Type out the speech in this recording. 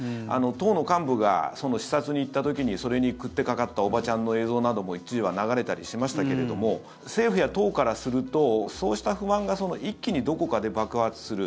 党の幹部が視察に行った時にそれに食ってかかったおばちゃんの映像なども一時は流れたりしましたけれども政府や党からするとそうした不満が一気にどこかで爆発する。